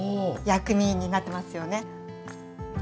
薬味になってますよね。